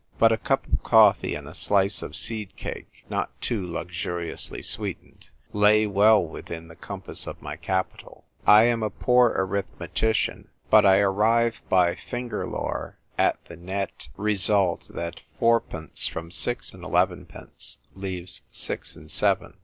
But a cup of coffee and a slice of seed cake (not too luxuriously sweetened) lay well within the compass of my capital. I am a poor arith metician, but I arrive by finger lore at the net THE STRUGGLE FOR LIFE. 21 result that fourpence from six and elevenpence leaves six and seven.